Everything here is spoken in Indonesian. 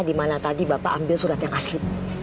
dimana tadi bapak ambil surat yang asli